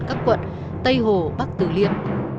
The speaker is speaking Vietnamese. các quận tây hồ bắc tử liên